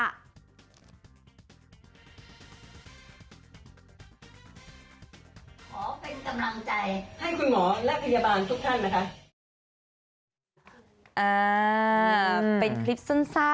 ขอเป็นกำลังใจให้คุณหมอและพยาบาลทุกท่านนะคะ